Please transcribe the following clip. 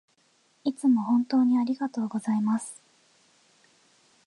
いつも本当にありがとうございます